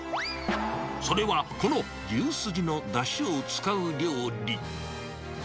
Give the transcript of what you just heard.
それはこの牛スジのだしを使う料理。